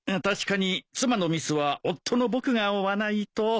確かに妻のミスは夫の僕が負わないと。